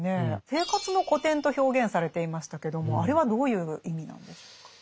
「生活の古典」と表現されていましたけどもあれはどういう意味なんでしょうか。